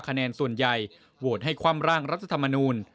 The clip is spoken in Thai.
คะแนนส่วนใหญ่โหวตให้คว่ำร่างรัฐธรรมนูล